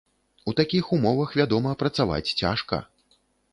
У такіх умовах, вядома, працаваць цяжка.